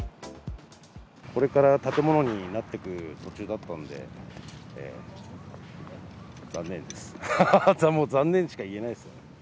これから建物になってく途中だったんで、残念です。